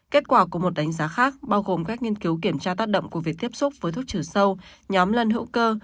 kết quả của một đánh giá khác bao gồm các nghiên cứu kiểm tra tác động của việc tiếp xúc với thuốc trừ sâu nhóm lân hữu cơ